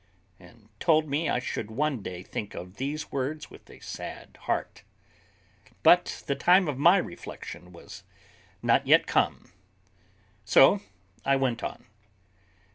and told me I should one day think of these words with a sad heart; but the time of my reflection was not yet come; so I went on.